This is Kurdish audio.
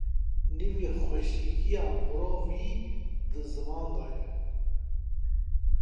Nîvê xweşikiya mirovî di ziman de ye.